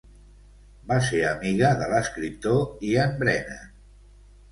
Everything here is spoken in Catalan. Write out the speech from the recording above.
Va ser amiga de l'escriptor Ian Brennan.